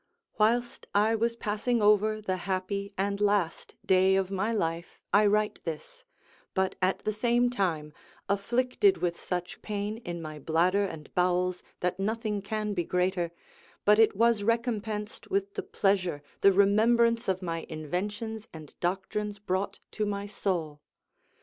"Whilst I was passing over the happy and last day of my life, I write this, but, at the same time, afflicted with such pain in my bladder and bowels that nothing can be greater, but it was recompensed with the pleasure the remembrance of my inventions and doctrines brought to my soul.